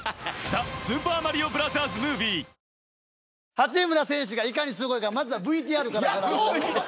八村選手がいかにすごいかまずはＶＴＲから。